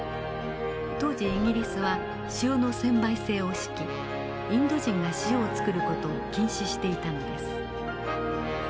当時イギリスは塩の専売制を敷きインド人が塩を作る事を禁止していたのです。